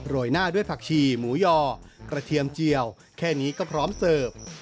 ยหน้าด้วยผักชีหมูยอกระเทียมเจียวแค่นี้ก็พร้อมเสิร์ฟ